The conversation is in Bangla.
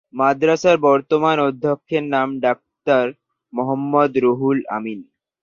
মাদ্রাসার বর্তমান অধ্যক্ষের নাম ডাক্তার মোহাম্মদ রুহুল আমিন।